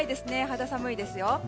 肌寒いですよ。